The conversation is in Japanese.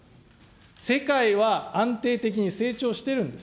世界は安定的に成長してるんです。